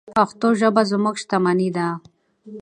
پښتو ژبه زموږ شتمني ده.